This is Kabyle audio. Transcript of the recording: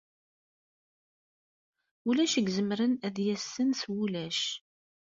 Ulac i izemren ad d-yassen s wulac.